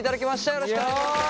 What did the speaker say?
よろしくお願いします。